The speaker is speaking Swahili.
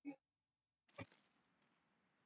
Jaribu iwezekanavyo kusafiri mchana.